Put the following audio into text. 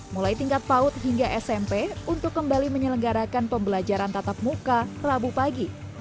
mulai tingkat paut hingga smp untuk kembali menyelenggarakan pembelajaran tatap muka rabu pagi